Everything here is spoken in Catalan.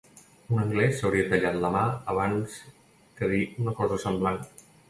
Un anglès s'hauria tallat la mà abans que dir una cosa semblant.